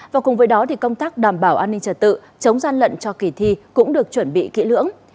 và cùng với đó công tác đảm bảo an ninh trật tự chống gian lận cho kỳ thi cũng được chuẩn bị kỹ lưỡng